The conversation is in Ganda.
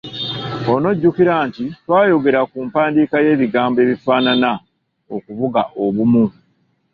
Onojjukira nti twayogera ku mpandiika y'ebigambo ebifaanana okuvuga obumu.